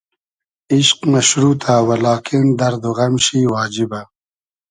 ایشق مئشروتۂ و لاکین دئرد و غئم شی واجیبۂ